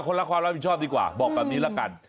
ละความรับผิดชอบดีกว่าบอกแบบนี้ละกัน